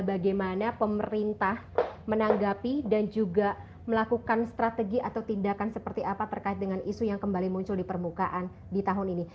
bagaimana pemerintah menanggapi dan juga melakukan strategi atau tindakan seperti apa terkait dengan isu yang kembali muncul di permukaan di tahun ini